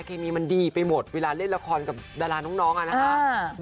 เคมีมันดีไปหมดเวลาเล่นราคบใด่น้องนะครับ